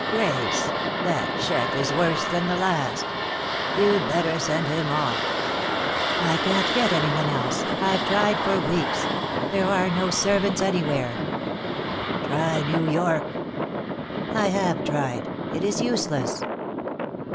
"Grace, that chef is worse than the last. You'd better send him off." "I can't get any one else. I have tried for weeks. There are no servants anywhere." "Try New York." "I have tried it is useless."